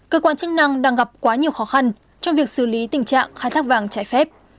cơ quan chức năng đang gặp quá nhiều khó khăn trong việc xử lý tình trạng khai thác vàng trái phép